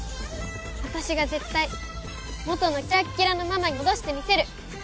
私が絶対元のキラッキラのママに戻してみせる。